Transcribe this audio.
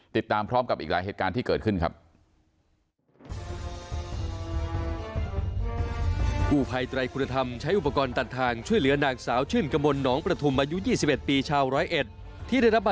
ติดตามพร้อมกับอีกหลายเหตุการณ์ที่เกิดขึ้นครับ